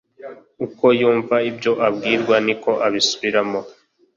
uko yumva ibyo abwirwa niko abisubiramo